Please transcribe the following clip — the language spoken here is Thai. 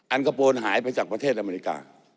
อันกระโปนหายไปจากประเทศอเมริกา